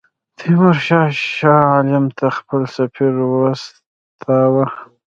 تیمورشاه شاه عالم ته خپل سفیر واستاوه.